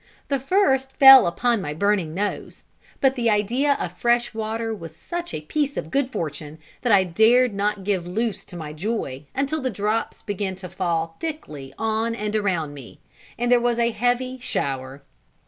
The first fell upon my burning nose; but the idea of fresh water was such a piece of good fortune, that I dared not give loose to my joy until the drops began to fall thickly on and around me, and there was a heavy shower.